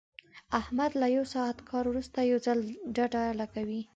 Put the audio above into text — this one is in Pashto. احمد له یو ساعت کار ورسته یو ځل ډډه لګوي.